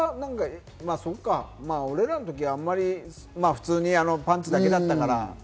俺らのときはあんまり、普通にパンツだけだったから。